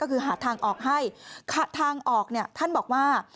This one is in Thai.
ก็คือหาทางออกให้ทางออกเนี่ยท่านบอกว่า